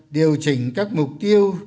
điều chỉnh các mục tiêu